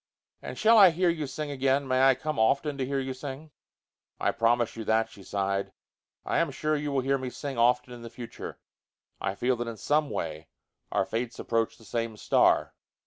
"And shall I hear you sing again? May I come often to hear you sing?" "I promise you that," she sighed. "I am sure that you will hear me sing often in the future. I feel that in some way our fates approach the same star."